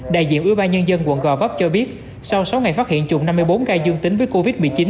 đại diện ưu ba nhân dân quận gò vấp cho biết sau sáu ngày phát hiện chùm năm mươi bốn ca dương tính với covid một mươi chín